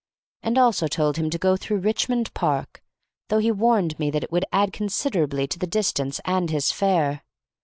I also told him to go through Richmond Park, though he warned me that it would add considerably to the distance and his fare.